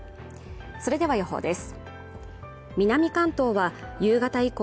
それでは予報です。